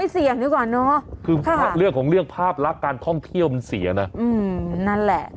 เสี่ยงดีกว่าเนอะคือเรื่องของเรื่องภาพลักษณ์การท่องเที่ยวมันเสียนะนั่นแหละ